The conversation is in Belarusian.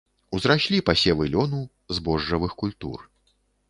Узраслі пасевы лёну, збожжавых культур.